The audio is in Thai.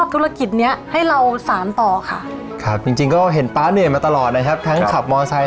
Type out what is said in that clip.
ทีนี้ก็อยากจะให้น้องโอ้พูดถึงคุณพ่อหน่อย